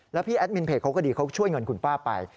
แล้วพี่แอดมินเพจเขาก็ดีเขาช่วยเงินคุณป้าไป